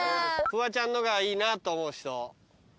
フワちゃんのがいいなと思う人？